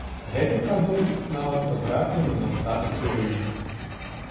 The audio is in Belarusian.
Гэты прадукт нават патрапіў на мастацкі рынак.